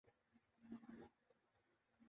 رکاوٹوں پر بہت جلدی عبور حاصل کر لیتا ہوں